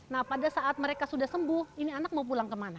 nah pada saat mereka sudah sembuh ini anak mau pulang kemana